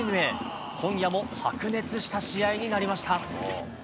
今夜も白熱した試合になりました。